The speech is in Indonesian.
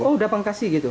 oh udah pengkasih gitu